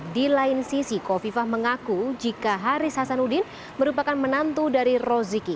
di lain sisi kofifah mengaku jika haris hasanuddin merupakan menantu dari roziki